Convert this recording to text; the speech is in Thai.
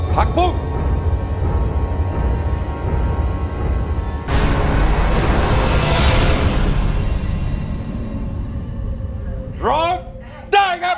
ผักบุ้งร้องได้ครับ